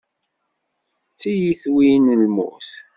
D tiyitwin n lmut.